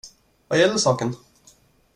Vad gäller saken?